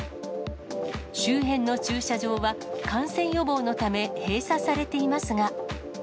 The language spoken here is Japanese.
周辺の駐車場は、感染予防のため閉鎖されていますが。